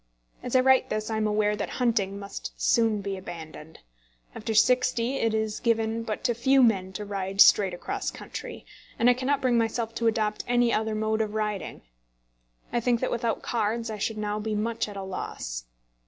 As I write this I am aware that hunting must soon be abandoned. After sixty it is given but to few men to ride straight across country, and I cannot bring myself to adopt any other mode of riding. I think that without cards I should now be much at a loss.